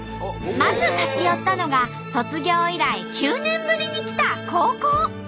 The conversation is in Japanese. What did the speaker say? まず立ち寄ったのが卒業以来９年ぶりに来た高校。